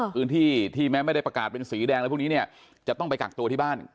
พื้นที่ที่แม้ไม่ได้ประกาศเป็นสีแดงอะไรพวกนี้เนี่ยจะต้องไปกักตัวที่บ้าน